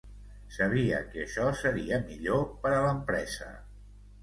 Sabia que això seria millor per a l'empresa.